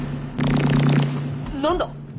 何だ？